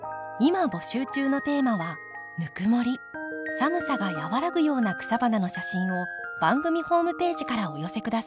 寒さが和らぐような草花の写真を番組ホームページからお寄せ下さい。